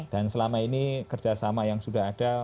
dan selama ini kerjasama yang sudah ada